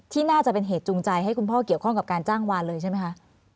น่าจะเป็นเหตุจูงใจให้คุณพ่อเกี่ยวข้องกับการจ้างวานเลยใช่ไหมคะ